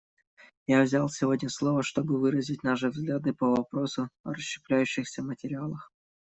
Я взял сегодня слово, чтобы выразить наши взгляды по вопросу о расщепляющихся материалах.